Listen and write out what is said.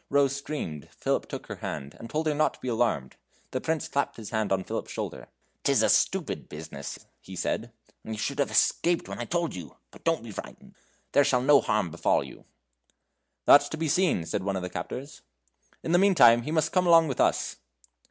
Rose screamed, Philip took her hand, and told her not to be alarmed. The Prince clapped his hand on Philip's shoulder. "'Tis a stupid business," he said, "and you should have escaped when I told you. But don't be frightened; there shall no harm befall you." "That's to be seen," said one of the captors. "In the meantime he must come along with us."